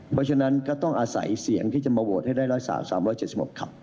เพราะฉะนั้นก็ต้องอาศัยเสียงที่จะมาโหวตให้ได้๑๓๓๗๖ครับ